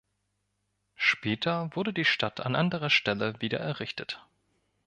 Später wurde die Stadt an anderer Stelle wieder errichtet.